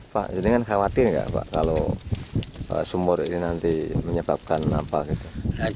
pak ini kan khawatir nggak pak kalau sumur ini nanti menyebabkan apa gitu